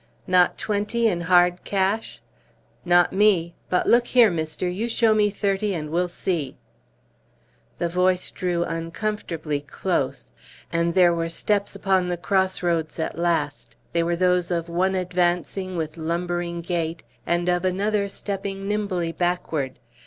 "Not twenty in hard cash?" "Not me; but look here, mister, you show me thirty and we'll see." The voice drew uncomfortably close. And there were steps upon the cross roads at last; they were those of one advancing with lumbering gait and of another stepping nimbly backward.